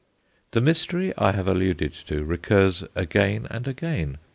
The mystery I have alluded to recurs again and again.